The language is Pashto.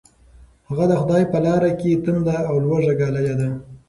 هغه د خدای په لاره کې تنده او لوږه ګاللې ده.